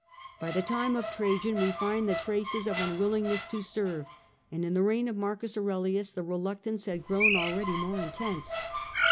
By the time of Trajan we find the traces of unwilling ness to serve, and in the reign of Marcus Aurelius the reluctance had grown already more intense.